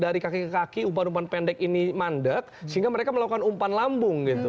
dari kaki ke kaki umpan umpan pendek ini mandek sehingga mereka melakukan umpan lambung gitu